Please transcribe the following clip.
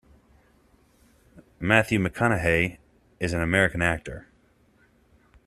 Matthew McConaughey is an American actor.